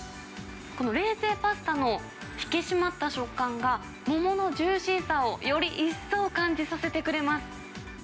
この冷製パスタの引き締まった食感が、桃のジューシーさをより一層感じさせてくれます。